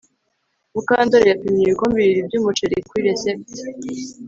Mukandoli yapimye ibikombe bibiri byumuceri kuri resept